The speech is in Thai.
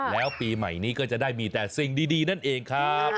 แล้วปีใหม่นี้ก็จะได้มีแต่สิ่งดีนั่นเองครับ